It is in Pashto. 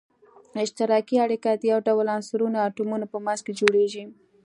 اشتراکي اړیکه د یو ډول عنصرونو اتومونو په منځ کې جوړیږی.